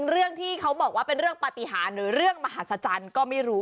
เรื่องที่เขาบอกว่าเป็นเรื่องปฏิหารหรือเรื่องมหัศจรรย์ก็ไม่รู้